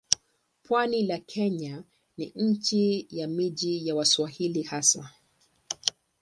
Pwani la Kenya ni nchi ya miji ya Waswahili hasa.